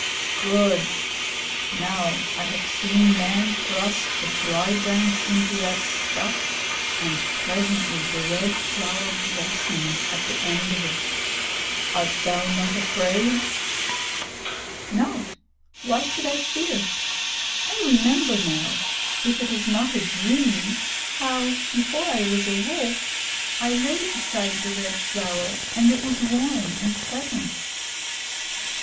'Good! Now I have seen men thrust a dry branch into that stuff, and presently the Red Flower blossomed at the end of it. Art thou not afraid?' 'No. Why should I fear? I remember now if it is not a dream how, before I was a Wolf, I lay beside the Red Flower, and it was warm and pleasant.'